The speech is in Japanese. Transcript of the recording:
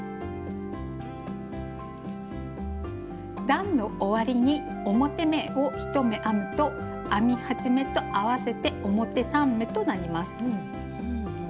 段の終わりに表目を１目編むと編み始めと合わせて表３目となります。